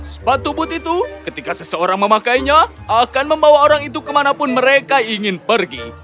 sepatu but itu ketika seseorang memakainya akan membawa orang itu kemanapun mereka ingin pergi